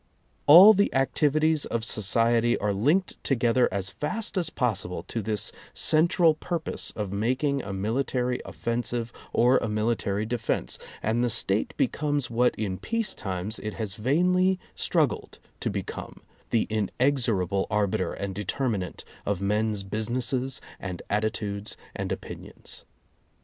All the activities of so ciety are linked together as fast as possible to this central purpose of making a military offensive or a military defense, and the State becomes what in peace times it has vainly struggled to become — the inexorable arbiter and determinant of men's businesses and attitudes and opinions.